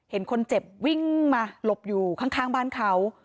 เห็นคนเจ็บวิ่งมาหลบอยู่ข้างบ้านเขา